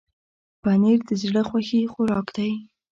پنېر د زړه خوښي خوراک دی.